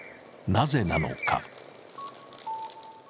なぜなのか。